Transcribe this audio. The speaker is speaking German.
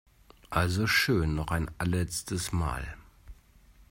Also schön, noch ein allerletztes Mal!